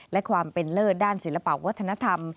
และความเป็นเลิศด้านศิลปะวัฒนธรรม